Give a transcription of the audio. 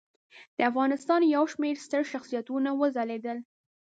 د افغانستان یو شمېر ستر شخصیتونه وځلیدل.